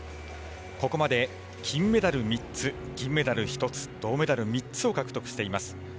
ここまで金メダル３つ銀メダル１つ、銅メダル３つを獲得しています。